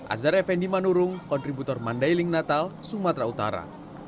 azhar effendi manurung kontributor mandailing natal sumatera utara